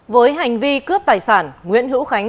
với hành vi cướp tài sản nguyễn hữu khánh